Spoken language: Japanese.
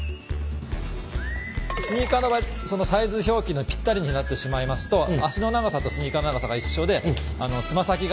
スニーカーの場合サイズ表記のぴったりになってしまいますと足の長さとスニーカーの長さが一緒でつま先がですね